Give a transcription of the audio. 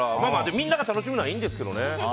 みんなが楽しむのはいいんですけどね。